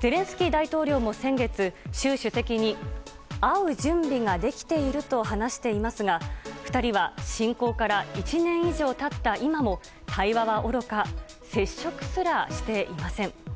ゼレンスキー大統領も先月習主席に会う準備ができていると話していますが２人は侵攻から１年以上経った今も対話はおろか接触すらしていません。